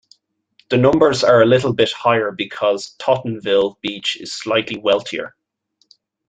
The numbers are a little bit higher because Tottenville Beach is slightly wealthier.